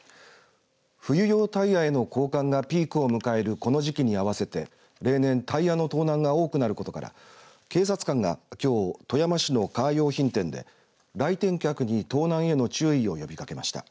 冬用タイヤへの交換がピークを迎える、この時期に合わせて例年タイヤの盗難が多くなることから警察官がきょう富山市のカー用品店で来店客に盗難への注意を呼びかけました。